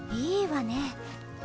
いいわね。